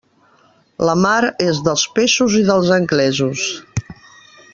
La mar és dels peixos i dels anglesos.